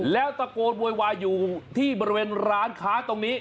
แล้วตะโกนโวยวายอยู่ที่บริเวณร้านค้าตรงนี้